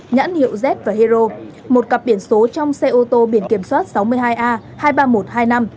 nhãn hiệu z và hero một cặp biển số trong xe ô tô biển kiểm soát sáu mươi hai a hai mươi ba nghìn một trăm hai mươi năm